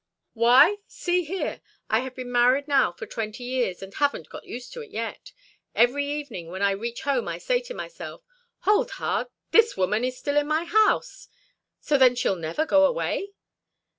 "Why! See here! I have been married now for twenty years, and haven't got used to it yet. Every evening, when I reach home, I say to myself, 'Hold hard! this old woman is still in my house! So then she'll never go away?'"